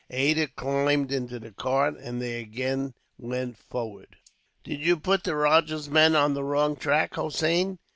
Ada climbed into the cart, and they again went forward. "Did you put the rajah's men on the wrong track, Hossein?